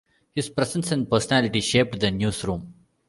His presence and personality shaped the newsroom.